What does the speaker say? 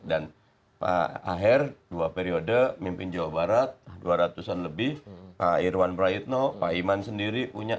dan pak aher dua periode mimpin jawa barat dua ratus an lebih pak irwan prayutno pak iman sendiri punya